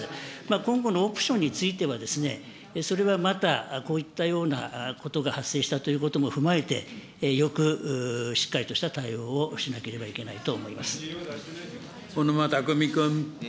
今後のオプションについては、それはまたこういったようなことが発生したということも踏まえて、よくしっかりとした対応をしなけ小沼巧君。